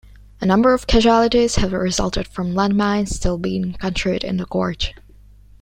A number of casualties have resulted from landmines still being encountered in the Gorge.